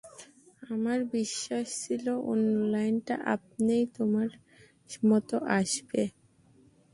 আমার বিশ্বাস ছিল, অন্য লাইনটা আপনিই তোমার মনে আসবে।